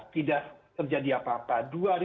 tidak terjadi apa apa